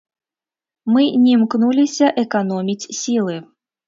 Мы не імкнуліся эканоміць сілы.